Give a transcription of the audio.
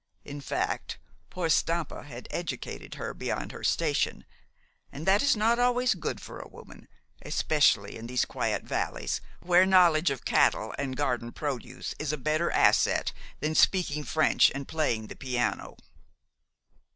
In fact, poor Stampa had educated her beyond her station, and that is not always good for a woman, especially in these quiet valleys, where knowledge of cattle and garden produce is a better asset than speaking French and playing the piano."